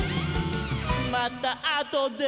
「またあとで」